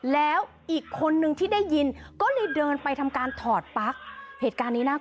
แล้วอีกคนนึงที่ได้ยินก็เลยเดินไปทำการถอดปั๊ก